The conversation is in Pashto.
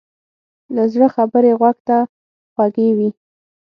له زړه خبرې غوږ ته خوږې وي.